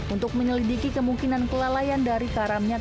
untuk menyelidiki kemungkinan kelelayan dari karamnya km ladang pertiwi ii